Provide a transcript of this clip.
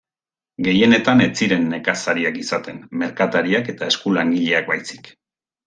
Gehienetan ez ziren nekazariak izaten, merkatariak eta eskulangileak baizik.